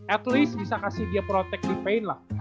at least bisa kasih dia protective paint lah